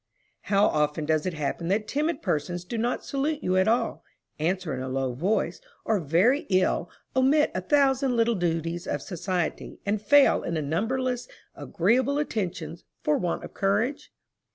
How often does it happen that timid persons do not salute you at all, answer in a low voice, or very ill, omit a thousand little duties of society, and fail in a numberless agreeable attentions, for want of courage?